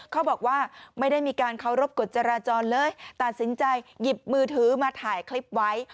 เขาบอกว่าไม่ได้มีการเคารพกฎจราจรเลยตัดสินใจหยิบมือถือมาถ่ายคลิปไว้